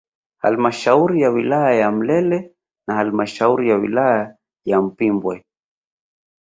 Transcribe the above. Halmashauri ya wilaya ya Mlele na halmashauri ya wilaya ya Mpimbwe